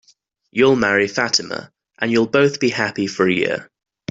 You'll marry Fatima, and you'll both be happy for a year.